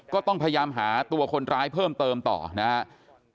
ก็ต้องพยายามหาตัวคนร้ายเพิ่มเติมต่อนะครับ